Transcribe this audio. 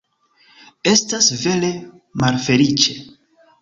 Estas vere malfeliĉe.